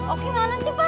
oki mana sih pak